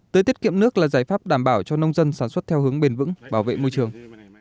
tưới tiết kiệm nước là giải pháp đảm bảo cho nông dân sản xuất theo hướng bền vững bảo vệ môi trường